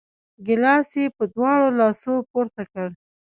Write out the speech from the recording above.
ګیلاس یې په دواړو لاسو پورته کړ!